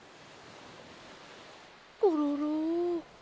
コロロ。